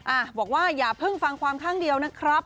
อ่ะบอกว่าอย่าเพิ่งฟังความข้างเดียวนะครับ